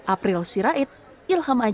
april sirait ilham adil